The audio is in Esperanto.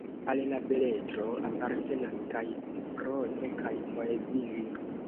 Al la beletro apartenas kaj prozo kaj poezio.